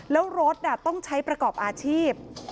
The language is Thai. แล้วรถต้องใช้ประกอบอาชีพ